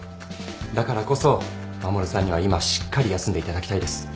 だからこそ衛さんには今しっかり休んでいただきたいです。